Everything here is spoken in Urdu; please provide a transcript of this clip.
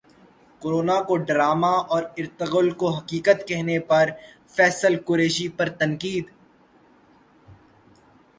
کورونا کو ڈراما اور ارطغرل کو حقیقت کہنے پر فیصل قریشی پر تنقید